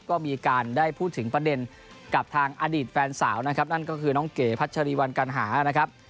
ก็มีการได้พูดถึงประเด็นกับทางอดีตแฟนสาวนะครับนั่นก็คือน้องเก๋พัชรีวันกัณหานะครับ